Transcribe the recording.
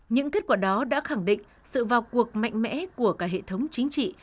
những kết quả đó đã khẳng định sự vào cuộc mạnh mẽ của cả hệ thống chính trị